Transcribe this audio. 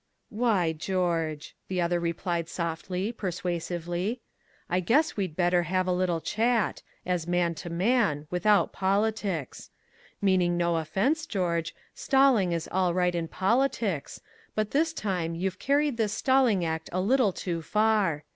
"Why, George," the other replied softly, persuasively. "I guess we'd better have a little chat as man to man about politics. Meaning no offense, George, stalling is all right in politics but this time you've carried this stalling act a little too far.